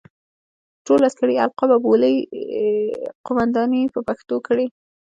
ټول عسکري القاب او بولۍ قوماندې یې په پښتو کړې.